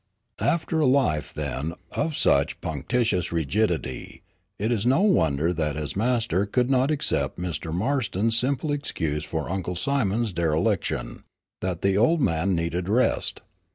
After a life, then, of such punctilious rigidity, it is no wonder that his master could not accept Mrs. Marston's simple excuse for Uncle Simon's dereliction, "that the old man needed rest."